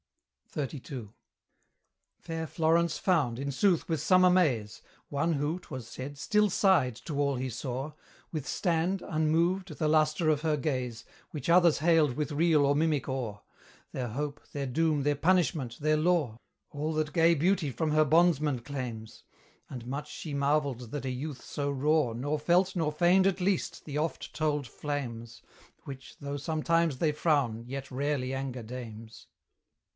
XXXII. Fair Florence found, in sooth with some amaze, One who, 'twas said, still sighed to all he saw, Withstand, unmoved, the lustre of her gaze, Which others hailed with real or mimic awe, Their hope, their doom, their punishment, their law: All that gay Beauty from her bondsmen claims: And much she marvelled that a youth so raw Nor felt, nor feigned at least, the oft told flames, Which, though sometimes they frown, yet rarely anger dames.